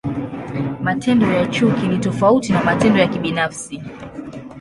Matendo ya chuki ni tofauti na matendo ya kibinafsi.